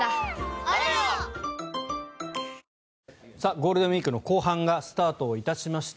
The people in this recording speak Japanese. ゴールデンウィークの後半がスタートいたしました。